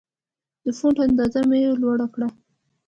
د فونټ اندازه مې لوړه کړه.